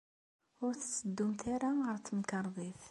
Ur tetteddumt ara ɣer temkarḍit.